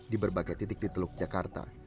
di berbagai titik di teluk jakarta